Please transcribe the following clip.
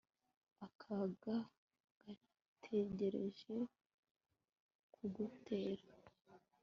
akaga gategereje kugutera